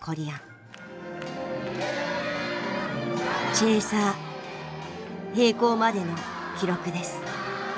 チェーサー閉校までの記録です。